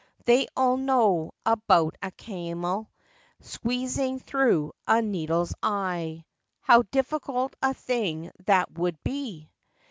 They all know about a camel Squeezing thro' a needle's eye—how Difficult a thing that would be!